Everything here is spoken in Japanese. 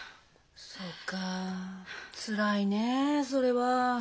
そうかつらいねそれは。